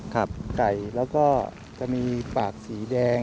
ไก่แล้วก็จะมีปากสีแดง